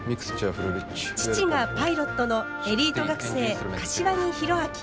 父がパイロットのエリート学生柏木弘明。